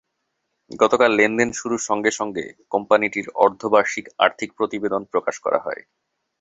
গতকাল লেনদেন শুরুর সঙ্গে সঙ্গে কোম্পানিটির অর্ধবার্ষিক আর্থিক প্রতিবেদন প্রকাশ করা হয়।